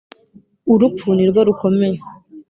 urupfu nirwo rukomeye